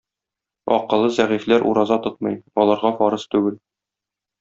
Акылы зәгыйфьләр ураза тотмый, аларга фарыз түгел.